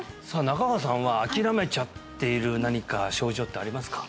中川さんは諦めちゃっている何か症状ってありますか？